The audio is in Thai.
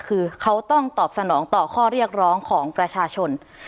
คือเขาต้องตอบสนองต่อข้อเรียกร้องของประชาชน